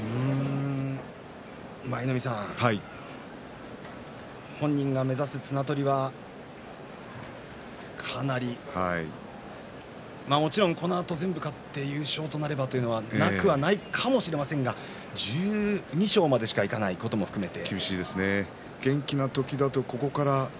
舞の海さん本人が目指す綱取りはかなりまあ、もちろんこのあと全部勝って優勝となればなくはないかもしれませんけどでも１２勝までしかいけないということも含めてどうでしょう。